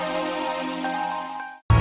mak udah mak